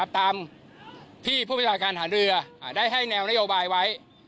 ตามที่ผู้บัญชาการฐานเรือได้ให้แนวนโยบายไว้